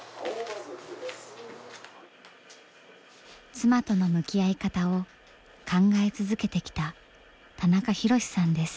妻との向き合い方を考え続けてきた田中博さんです。